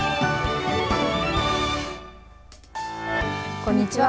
こんにちは。